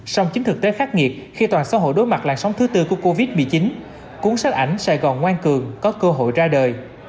song chính thực tế khắc nghiệt khi toàn xã hội đối mặt làn sóng thứ tư của covid một mươi chín cuốn sách ảnh sài gòn ngoan cường có cơ hội ra đời